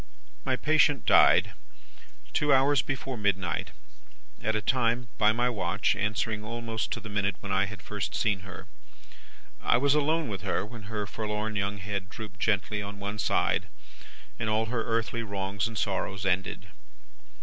"My patient died, two hours before midnight at a time, by my watch, answering almost to the minute when I had first seen her. I was alone with her, when her forlorn young head drooped gently on one side, and all her earthly wrongs and sorrows ended.